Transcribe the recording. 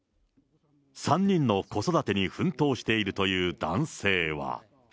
３人の子育てに奮闘しているという男性は。